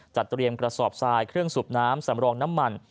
เตรียมกระสอบทรายเครื่องสูบน้ำสำรองน้ำมัน